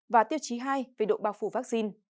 và tiêu chí hai về độ bao phủ vaccine